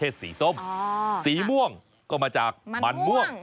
ดีเลย